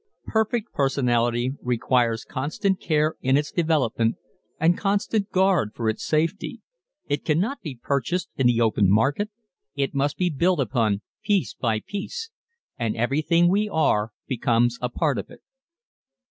Perfect personality requires constant care in its development and constant guard for its safety. It cannot be purchased in the open market. It must be built upon piece by piece and everything we are becomes a part of it.